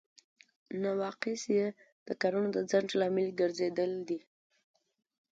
نواقص یې د کارونو د ځنډ لامل ګرځیدل دي.